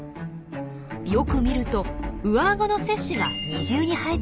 よく見ると上あごの切歯が二重に生えています。